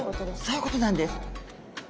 そういうことなんです。